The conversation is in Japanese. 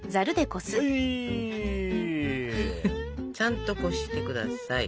ちゃんとこして下さい。